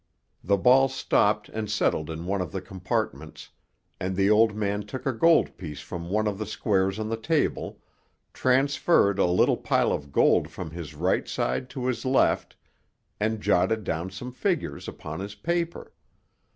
The ball stopped and settled in one of the compartments, and the old man took a gold piece from one of the squares on the table, transferred a little pile of gold from his right side to his left, and jotted down some figures upon his paper.